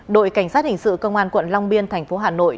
đội cảnh sát hình sự công an quận long biên tp hà nội